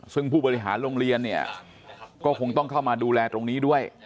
ซึ่งผู้บริหารโรงเรียนเนี่ยก็คงต้องเข้ามาดูแลตรงนี้ด้วย